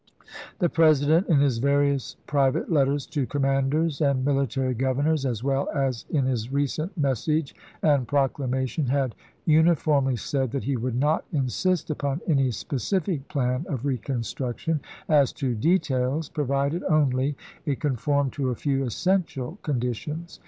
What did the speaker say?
The President, in his various private letters to commanders and military governors as well as in his recent Message and Proclamation, had uni formly said that he would not insist upon any specific plan of reconstruction as to details, pro vided only it conformed to a few essential condi tions.